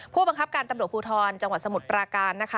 ผู้บังคับการตำรวจภูทรจังหวัดสมุทรปราการนะคะ